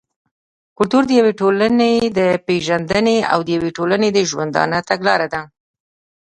کلتور د يوې ټولني د پېژندني او د يوې ټولني د ژوندانه تګلاره ده.